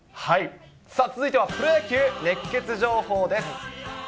さあ、続いてはプロ野球熱ケツ情報です。